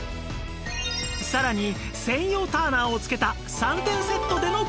さらに専用ターナーを付けた３点セットでのご紹介です